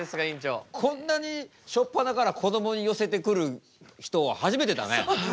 こんなに初っぱなからこどもに寄せてくる人は初めてだね。